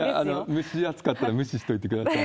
蒸し暑かったら無視しといてください。